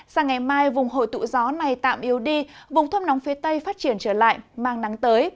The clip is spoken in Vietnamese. sáng ngày mai vùng hội tụ gió này tạm yếu đi vùng thấp nóng phía tây phát triển trở lại mang nắng tới